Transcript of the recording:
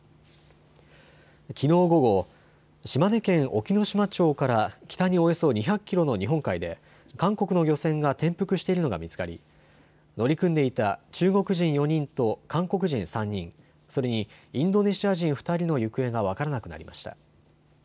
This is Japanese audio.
きのう午後、島根県隠岐の島町から北におよそ２００キロの日本海で韓国の漁船が転覆しているのが見つかり乗り組んでいた中国人４人と韓国人３人、それにインドネシア人２人の行方が分からなくなりました。